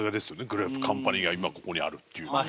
グレープカンパニーが今ここにあるっていうのは。